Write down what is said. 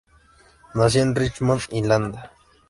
Nació en Richmond, Indiana.